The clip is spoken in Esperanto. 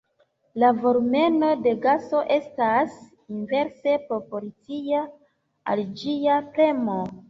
La volumeno de gaso estas inverse proporcia al ĝia premo.